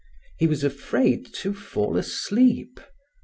He was afraid to fall asleep.